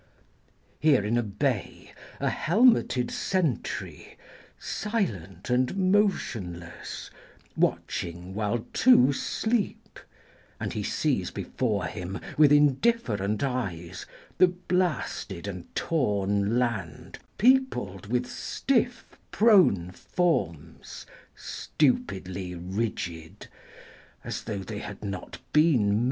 Here in a bay, a helmeted sentry Silent and motionless, watching while two sleep, And he sees before him With indifferent eyes the blasted and torn land Peopled with stiff prone forms, stupidly rigid, As tho' they had not been men.